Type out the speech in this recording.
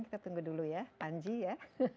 kita tunggu dulu ya panji ya